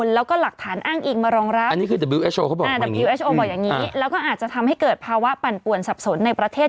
แล้วก็อาจจะทำให้เกิดภาวะปั่นป่วนสับสนในประเทศ